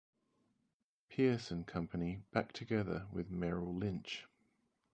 Pierce and Company back together with Merrill Lynch.